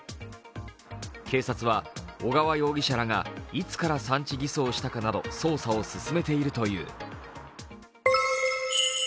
警察は小川容疑者らがいつから産地偽装したのかなど捜査を進めているという。